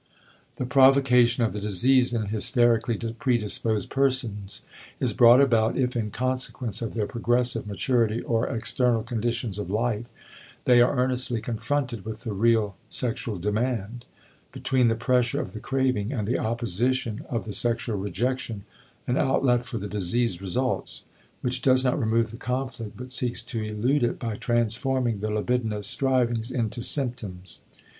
The provocation of the disease in hysterically predisposed persons is brought about if in consequence of their progressive maturity or external conditions of life they are earnestly confronted with the real sexual demand. Between the pressure of the craving and the opposition of the sexual rejection an outlet for the disease results, which does not remove the conflict but seeks to elude it by transforming the libidinous strivings into symptoms.